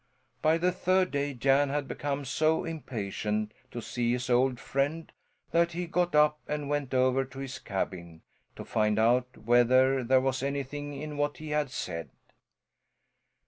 By the third day Jan had become so impatient to see his old friend that he got up and went over to his cabin, to find out whether there was anything in what he had said.